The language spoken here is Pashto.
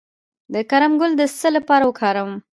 د کرم ګل د څه لپاره وکاروم؟